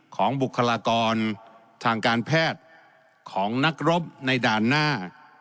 บุคลากรทางการแพทย์ของนักรบในด่านหน้า